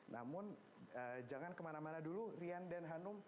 namun jangan kemana mana dulu rian dan hanum